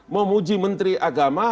memuji menteri agama